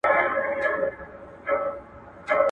ستا د موسکا، ستا د ګلونو د ګېډیو وطن.